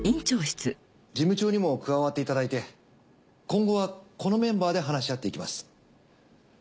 事務長にも加わっていただいて今後はこのメンバーで話し合っていきます。